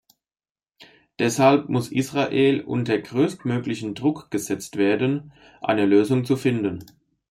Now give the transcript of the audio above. Deshalb muss Israel unter größtmöglichen Druck gesetzt werden, eine Lösung zu finden.